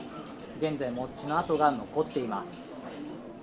現在も血の跡が残っています。